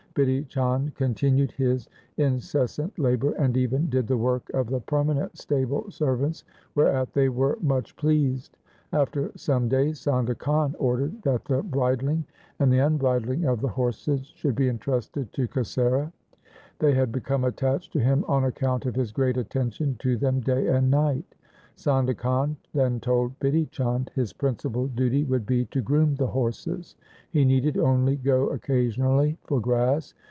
Bidhi Chand continued his incessant labour and even did the work of the permanent stable ser vants, whereat they were much pleased. After some days Sondha Khan ordered that the bridling and the 1 Bidhi Chand meant a ghasiyara or grass cutter. SIKH. IV M 162 THE SIKH RELIGION unbridling of the horses should be entrusted to Kasera. They had become attached to him on account of his great attention to them day and night. Sondha Khan then told Bidhi Chand his principal duty would be to groom the horses. He needed only go occasionally for grass.